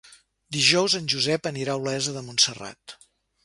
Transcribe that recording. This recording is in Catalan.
Dijous en Josep anirà a Olesa de Montserrat.